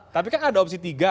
tapi kan ada opsi tiga